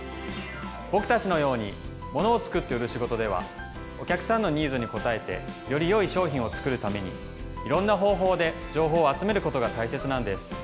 ぼくたちのように物を作って売る仕事ではお客さんのニーズに応えてよりよい商品を作るためにいろんな方法で情報を集めることがたいせつなんです。